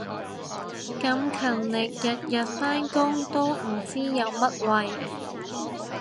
咁勤力日日返工都唔知有乜謂